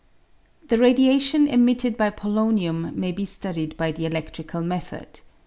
The radiation emitted by polonium may be studied by the eledrical method.